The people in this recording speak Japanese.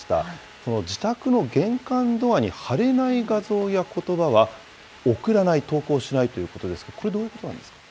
この自宅の玄関ドアに貼れない画像やことばは送らない、投稿しないということですけれども、これ、どういうことなんですか？